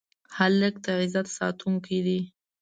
هلک د عزت ساتونکی دی.